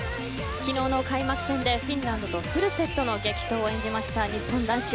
昨日の開幕戦でフィンランドとフルセットの激闘を演じました日本男子。